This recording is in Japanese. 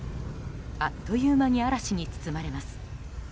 あっという間に嵐に包まれます。